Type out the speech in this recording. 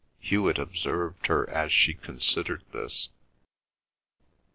Hewet observed her as she considered this.